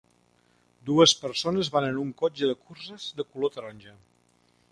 Dues persones van en un cotxe de curses de color taronja.